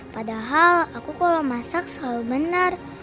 padahal aku kalau masak selalu benar